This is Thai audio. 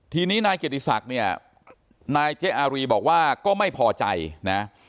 ทีนี้นายเกียรติศักดิ์เนี่ยนายเจ๊อารีบอกว่าก็ไม่พอใจนะ